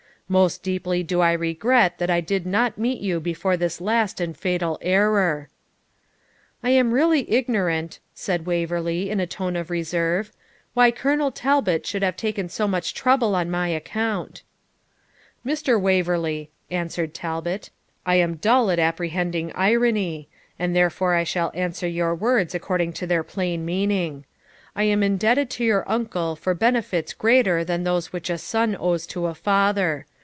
Most deeply do I regret that I did not meet you before this last and fatal error.' 'I am really ignorant,' said Waverley, in a tone of reserve, 'why Colonel Talbot should have taken so much trouble on my account.' 'Mr. Waverley,' answered Talbot, 'I am dull at apprehending irony; and therefore I shall answer your words according to their plain meaning. I am indebted to your uncle for benefits greater than those which a son owes to a father.